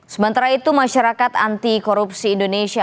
sementara itu masyarakat anti korupsi indonesia